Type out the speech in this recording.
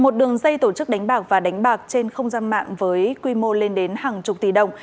một đường dây tổ chức đánh bạc và đánh bạc trên không gian mạng với quy mô lên đến hàng chục tỷ đồng